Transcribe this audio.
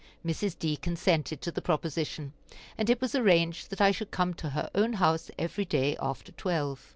Mrs. D. consented to the proposition, and it was arranged that I should come to her own house every day after 12 M.